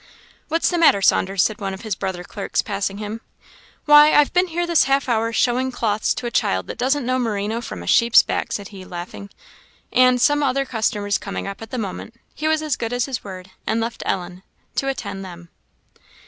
"What's the matter, Saunders?" said one of his brother clerks, passing him. "Why, I've been here this half hour showing cloths to a child that doesn't know merino from a sheep's back," said he, laughing. And, some other customers coming up at the moment, he was as good as his word, and left Ellen, to attend to them.